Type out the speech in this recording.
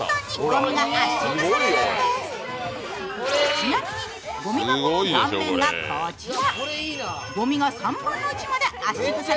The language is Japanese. ちなみに、ごみ箱の断面がこちら。